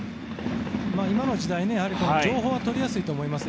今の時代、情報は取りやすいと思います。